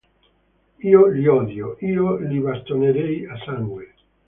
Io li odio, io li bastonerei a sangue.